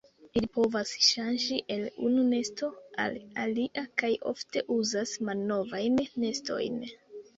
Ili povas ŝanĝi el unu nesto al alia kaj ofte uzas malnovajn nestojn.